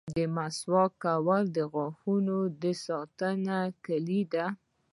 • د مسواک کول د غاښونو د ساتنې کلي ده.